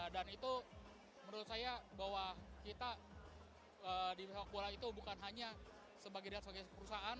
dan itu menurut saya bahwa kita di sepak bola itu bukan hanya sebagai perusahaan